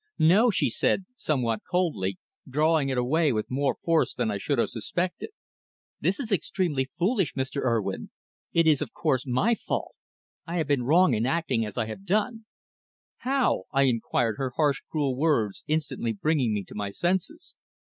"No," she said, somewhat coldly, drawing it away with more force than I should have suspected. "This is extremely foolish, Mr. Urwin. It is, of course, my fault. I've been wrong in acting as I have done." "How?" I inquired, her harsh, cruel words instantly bringing me to my senses.